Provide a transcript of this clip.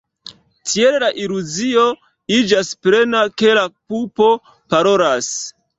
Tiel la iluzio iĝas plena, ke la pupo parolas.